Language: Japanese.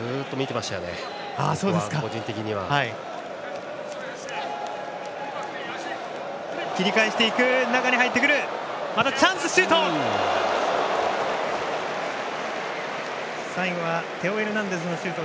またチャンス、シュート！